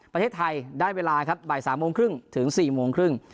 ประเทศไทยได้เวลาครับบ่าย๓โมงครึ่งถึง๔โมงครึ่ง